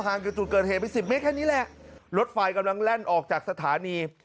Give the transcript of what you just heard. กับจุดเกิดเหตุไปสิบเมตรแค่นี้แหละรถไฟกำลังแล่นออกจากสถานี